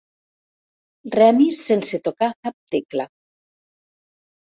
Remis sense tocar cap tecla.